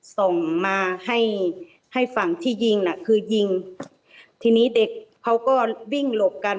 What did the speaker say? ส่งมาให้ให้ฝั่งที่ยิงน่ะคือยิงทีนี้เด็กเขาก็วิ่งหลบกัน